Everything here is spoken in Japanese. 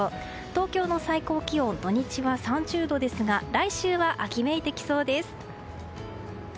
東京の最高気温土日は３０度ですが来週は、秋めいてきそうです。